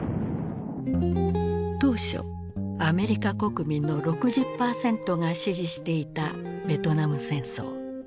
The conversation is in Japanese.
当初アメリカ国民の６０％が支持していたベトナム戦争。